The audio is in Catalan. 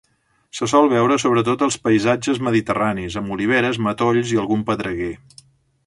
Se sol veure sobretot als paisatges mediterranis, amb oliveres, matolls i algun pedreguer.